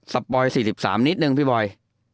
ปอย๔๓นิดนึงพี่บอย